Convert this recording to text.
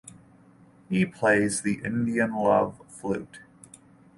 He plays the Indian Love Flute.